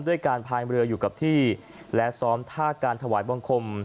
ด้วยการพายเรืออยู่กับที่และซ้อมท่าการถวายบังคม